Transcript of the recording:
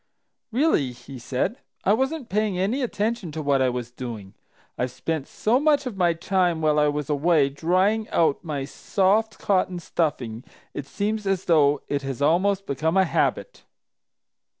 "Really," he said, "I wasn't paying any attention to what I was doing! I've spent so much of my time while I was away drying out my soft cotton stuffing it seems as though it has almost become a habit."